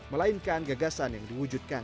melainkan gagasan yang diwujudkan